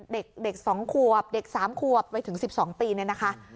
เด็ก๒ขวบเด็ก๓ขวบไปถึง๑๒ปีเนี่ยนะคะ